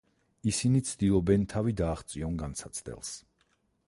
ისინი ცდილობენ თავი დააღწიონ განსაცდელს.